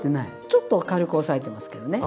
ちょっとは軽く抑えてますけどね。